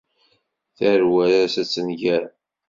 Tarwa-s ad tenger.